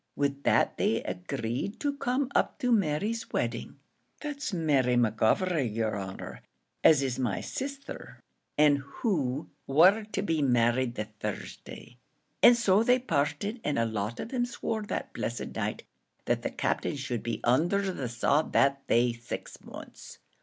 Wid that they agreed to come up to Mary's wedding that's Mary McGovery, yer honour, as is my sisther, and who war to be married the Thursday; and so they parted, and a lot on 'em swore that blessed night that the Captain should be under the sod that day six months.